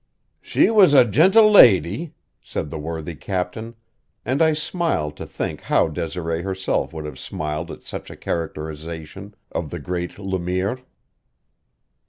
"She was a gentle lady," said the worthy captain; and I smiled to think how Desiree herself would have smiled at such a characterization of the great Le Mire.